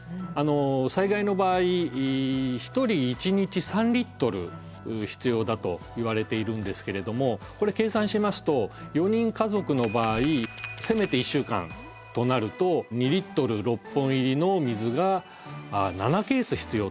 災害の場合１人一日３リットル必要だといわれているんですけれどもこれ計算しますと４人家族の場合せめて１週間となると２リットル６本入りの水が７ケース必要ということになります。